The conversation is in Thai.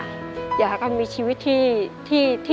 โดยโปรแกรมแม่รักลูกมาก